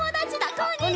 こんにちは。